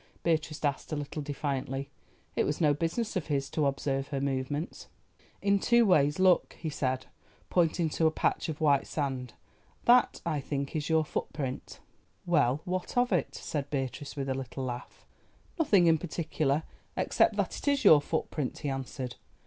Beatrice asked a little defiantly. It was no business of his to observe her movements. "In two ways. Look!" he said, pointing to a patch of white sand. "That, I think, is your footprint." "Well, what of it?" said Beatrice, with a little laugh. "Nothing in particular, except that it is your footprint," he answered.